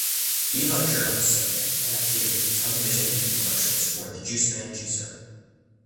He lectured on the subject and appeared in television infomercials for the Juiceman Juicer.